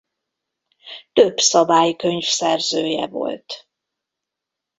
Több szabálykönyv szerzője volt